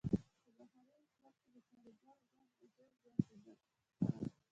په محلي حکومت کې د کارګر ګوند نفوذ زیاتېدو سره.